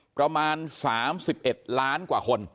ประมาณ๓๑ล้านกว่าคน